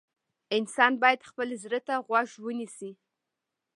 انسان باید خپل زړه ته غوږ ونیسي.